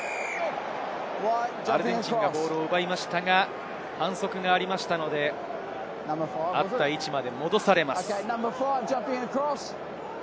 アルゼンチンがボールを奪いましたが反則がありましたので、あった位置まで戻されます。